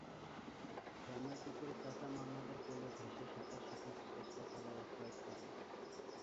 গ্রামের পুকুরে চাচা মামাদের কোলে ভেসে সাঁতার শেখার চেষ্টা চালায় কয়েকটা দিন।